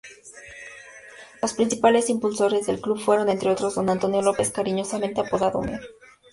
Los principales impulsores del club fueron, entre otros, don Antonio López, cariñosamente apodado Mr.